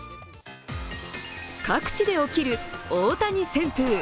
各地で起きる大谷旋風。